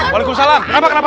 waalaikumsalam kenapa kenapa